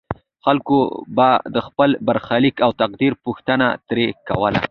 خلکو به د خپل برخلیک او تقدیر پوښتنه ترې کوله.